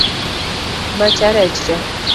Macha rech tee?